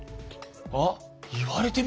あっ言われてみれば。